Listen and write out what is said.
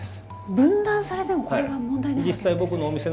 分断されてもこれは問題ないわけですね。